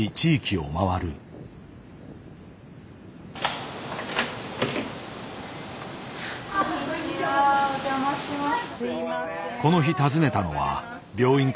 ほなお邪魔します。